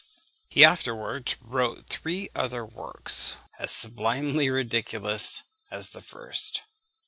He afterwards wrote three other works, as sublimely ridiculous as the first.